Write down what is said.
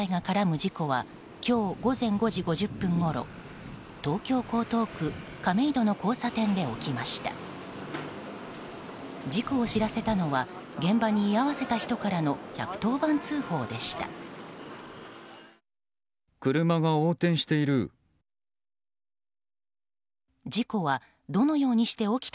事故を知らせたのは現場に居合わせた人からの１１０番通報でした。